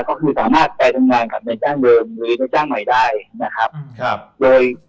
ก็คือสามารถไปทำงานกับนายจ้างเดิมหรือในจ้างใหม่ได้นะครับครับโดย